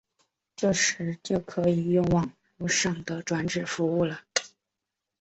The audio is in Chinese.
这时就可以用网路上的转址服务了。